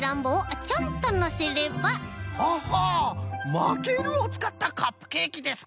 「まける」をつかったカップケーキですか。